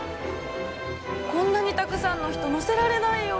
こんなにたくさんの人乗せられないよ。